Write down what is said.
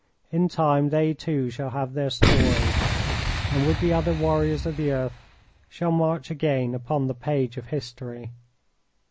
In time, they too shall have their story, and with the other warriors of the earth shall march again upon the page of history."